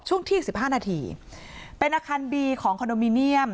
ช่วงเที่ยง๑๕นาทีเป็นอาคารบีของคอนโดมิเนียม